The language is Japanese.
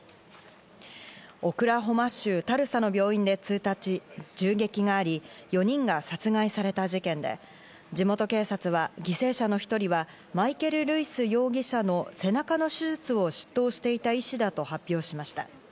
オクラホマ州タルサの病院で１日、銃撃があり、４人が殺害された事件で、地元警察は犠牲者の１人はマイケル・ルイス容疑者の背中の手術を執刀していた医師だと発表しました。